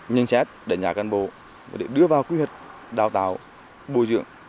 nhân xét đánh giá cán bộ để đưa vào quy luật đào tạo bồi dưỡng